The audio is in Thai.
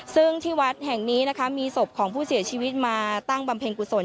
ซึ่งที่วัดแห่งนี้นะคะมีศพของผู้เสียชีวิตมาตั้งบำเพ็ญกุศล